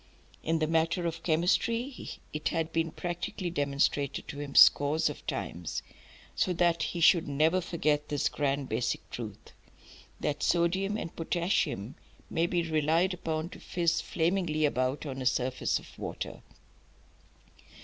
In the matter of chemistry it had been practically demonstrated to him scores of times, so that he should never forget this grand basic truth, that sodium and potassium may be relied upon to fizz flamingly about on a surface of water.